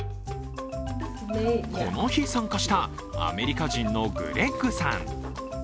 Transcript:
この日参加したアメリカ人のグレッグさん。